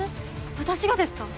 私がですか！？